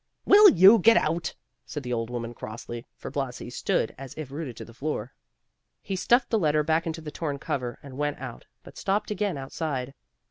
"Will you get out?" said the old woman crossly, for Blasi stood as if rooted to the floor. He stuffed the letter back into the torn cover, and went out, but stopped again outside.